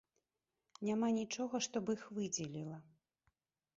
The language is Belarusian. Няма нічога, што б іх выдзеліла.